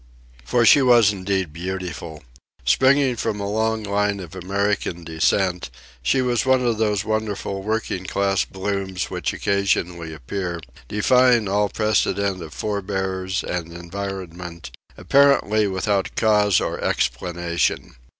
For she was indeed beautiful. Springing from a long line of American descent, she was one of those wonderful working class blooms which occasionally appear, defying all precedent of forebears and environment, apparently without cause or explanation.